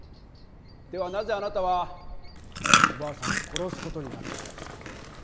ではなぜあなたはおばあさんを殺す事になったんですか？